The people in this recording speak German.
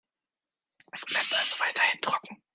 Es bleibt also weiterhin trocken.